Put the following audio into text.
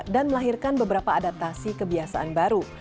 dan melahirkan beberapa adaptasi kebiasaan baru